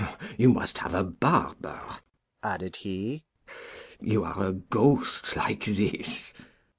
You must have a barber," added he; "you are a ghost like this."